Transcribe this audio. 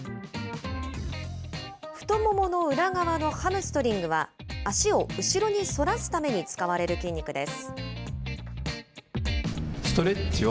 太ももの裏側のハムストリングは、足を後ろに反らすために使われる筋肉です。